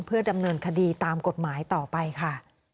เพื่อดำเนินคดีตามกฎหมายต่อไปค่ะ